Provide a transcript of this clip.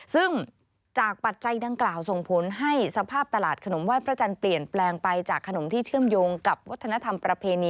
ซึ่งจากปัจจัยดังกล่าวส่งผลให้สภาพตลาดขนมไห้พระจันทร์เปลี่ยนแปลงไปจากขนมที่เชื่อมโยงกับวัฒนธรรมประเพณี